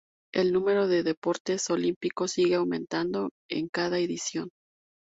El número de deportes olímpicos sigue aumentando en cada edición.